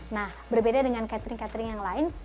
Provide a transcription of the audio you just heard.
nah berbeda dengan catering catering yang lain